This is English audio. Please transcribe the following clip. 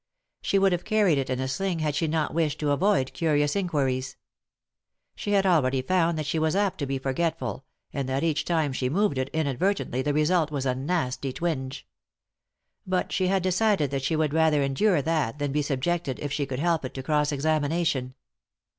She would have carried it in a sling had she not wished to avoid curious inquiries. She had already found that she was apt to be forgetful, and that each time she moved it inadvertently the result was a nasty twinge. But she had decided that she would rather endure that than be subjected, if she could help it, to cross examination.